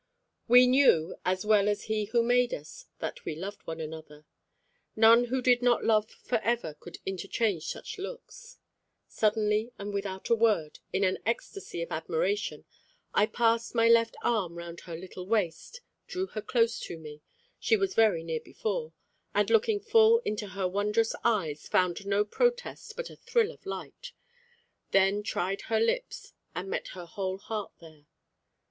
We knew, as well as He who made us, that we loved one another. None who did not love for ever could interchange such looks. Suddenly, and without a word, in an ecstasy of admiration, I passed my left arm round her little waist, drew her close to me she was very near before and looking full into her wondrous eyes, found no protest but a thrill of light; then tried her lips and met her whole heart there.